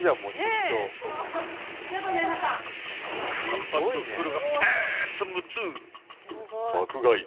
［パンパンの袋がバーンと６つ］